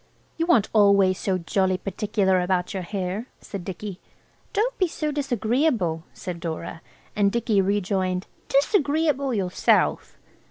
"You aren't always so jolly particular about your hair," said Dicky. "Don't be so disagreeable," said Dora. And Dicky rejoined, "Disagreeable yourself!"